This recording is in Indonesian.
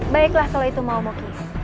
baiklah kalau itu mau mokis